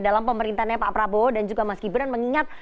dalam pemerintahnya pak prabowo dan juga mas gibran mengingat